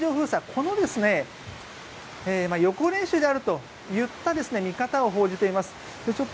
この予行演習であるといった見方を報じています。